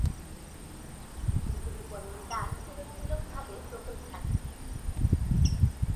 বুকের ওপরের দাগ তুলনামূলকভাবে প্রকট থাকে।